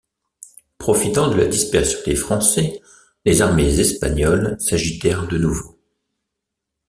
Profitant de la dispersion des Français, les armées espagnoles s'agitèrent de nouveau.